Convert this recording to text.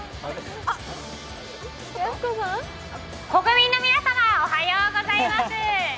国民の皆様おはようございます。